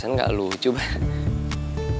sepresen gak lucu bang